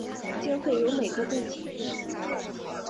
经费由美国供给。